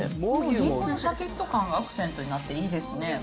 りんごのしゃきっと感がアクセントになっていいですね。